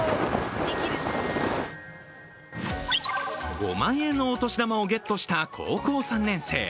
５万円のお年玉をゲットした高校３年生。